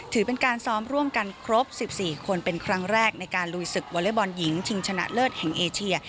ถือเป็นการซ้อมร่วมกันครบ๑๔คนเป็นครั้งแรกในการลุยศึกวอเล็กบอลหญิงชิงชนะเลิศแห่งเอเชีย